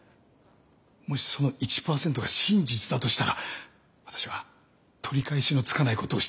もしその１％が真実だとしたら私は取り返しのつかないことをしてしまったことになる。